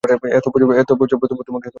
এত বছর পর আবার তোমাকে একবার দেখবো।